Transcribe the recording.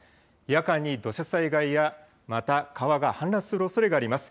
夜間に土砂災害や、また川が氾濫するおそれがあります。